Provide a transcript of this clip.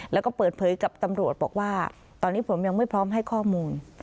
แล้วก็เปิดเผยกับตำรวจบอกว่าตอนนี้ผมยังไม่พร้อมให้ข้อมูล